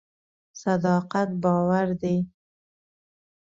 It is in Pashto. صداقت باور دی.